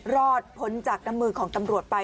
รอดพ้นจากน้ำมือของตำรวจไป